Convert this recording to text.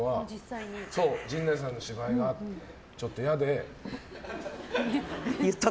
陣内さんの芝居がちょっと嫌でって。